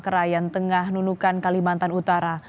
ke rayan tengah nunukan kalimantan utara